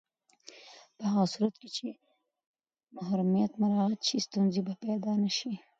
په هغه صورت کې چې محرمیت مراعت شي، ستونزې به پیدا نه شي.